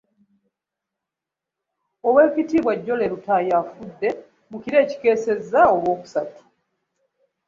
Oweeekitiibwa Jolly Lutaaya afudde mu kiro ekikeesezza Olwokusatu.